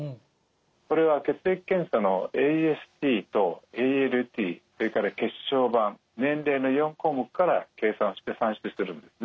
これは血液検査のＡＳＴとＡＬＴそれから血小板年齢の４項目から計算して算出してるんですね。